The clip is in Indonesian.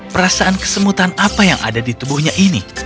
perasaan kesemutan apa yang ada di tubuhnya ini